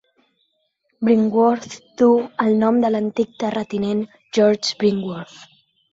Brinkworth duu el nom de l'antic terratinent, George Brinkworth.